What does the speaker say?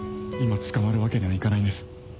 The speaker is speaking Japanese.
今捕まるわけにはいかないんです。